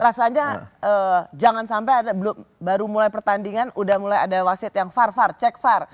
rasanya jangan sampai ada baru mulai pertandingan udah mulai ada wasit yang var var cek far